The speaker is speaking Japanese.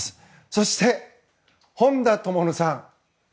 そして、本多灯さん。